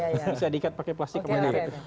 bisa diikat pakai plastik kemana